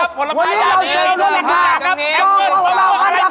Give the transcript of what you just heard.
ท่านละข้าครับ